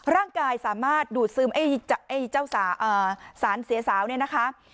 ร่างกายสามารถดูดซึมเจ้าสารเสียสาวเนี่ยนะคะ